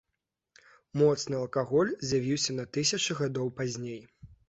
Моцны алкаголь з'явіўся на тысячы гадоў пазней.